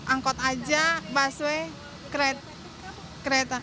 angkut aja busway kereta